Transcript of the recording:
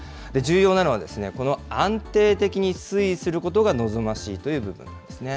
重要なのは、この安定的に推移することが望ましいという部分です